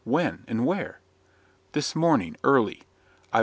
when and where?" "This morning, early.